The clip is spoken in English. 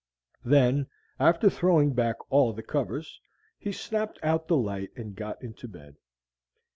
Then, after throwing back all the covers, he snapped out the light and got into bed.